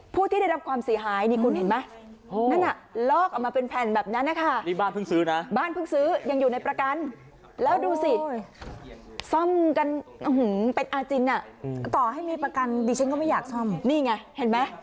ผู้ที่ได้รับความเสียหายนี่คุณเห็นไหมนั่นน่ะลอกออกมาเป็นแผ่นแบบนั้นนะคะนี่บ้านเพิ่งซื้อนะบ้านเพิ่งซื้อยังอยู่ในประกันแล้วดูสิซ่อมกันเป็นอาจินอ่ะต่อให้มีประกันดิฉันก็ไม่อยากซ่อมนี่ไงเห็นไหม